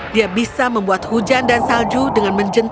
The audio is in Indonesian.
dia bisa membuat hujan dan salju dengan menjemput